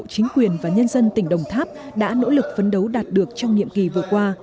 chính quyền và nhân dân tỉnh đồng tháp đã nỗ lực phấn đấu đạt được trong nhiệm kỳ vừa qua